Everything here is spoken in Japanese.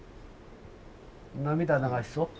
涙流しそう？